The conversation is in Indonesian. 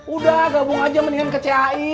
udah gabung aja mendingan ke cai